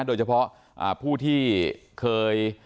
โดยเฉพาะผู้ที่เคย